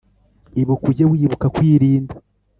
ibuka ujye wibuka kwirinda